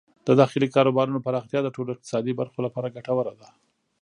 د داخلي کاروبارونو پراختیا د ټولو اقتصادي برخو لپاره ګټوره ده.